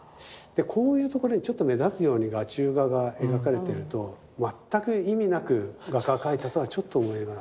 こういうところにちょっと目立つように画中画が描かれてると全く意味なく画家が描いたとはちょっと思えない。